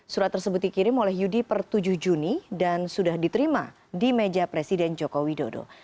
surat tersebut dikirim oleh yudi per tujuh juni dan sudah diterima di meja presiden joko widodo